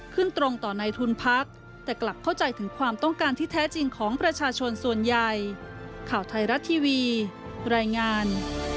ขึ้นตรงต่อในทุนพักแต่กลับเข้าใจถึงความต้องการที่แท้จริงของประชาชนส่วนใหญ่